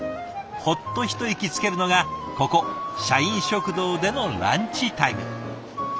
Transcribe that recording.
ほっと一息つけるのがここ社員食堂でのランチタイム。